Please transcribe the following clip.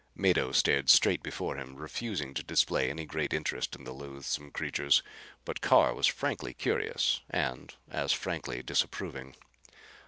Mado stared straight before him, refusing to display any great interest in the loathsome creatures, but Carr was frankly curious and as frankly disapproving.